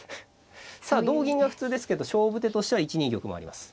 さあ同銀が普通ですけど勝負手としては１二玉もあります。